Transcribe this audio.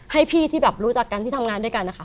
ให้พี่ที่แบบรู้จักกันที่ทำงานด้วยกันนะคะ